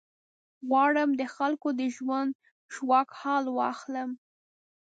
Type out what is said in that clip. غواړم د خلکو د ژوند ژواک حال واخلم.